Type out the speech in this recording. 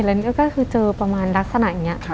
แล้วนี่ก็คือเจอประมาณลักษณะอย่างนี้